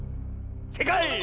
せいかい！